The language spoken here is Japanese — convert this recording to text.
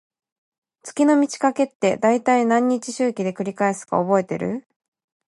月の満ち欠けって、だいたい何日周期で繰り返すか覚えてる？